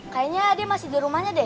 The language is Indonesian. kayaknya dia masih di rumahnya deh